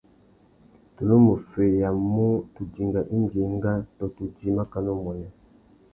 Tu nù mú feyamú tu dinga indi enga tô tu djï makana umuênê.